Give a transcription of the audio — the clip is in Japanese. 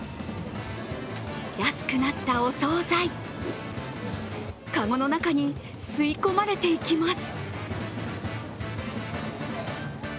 安くなったお総菜、籠の中に吸い込まれていきます。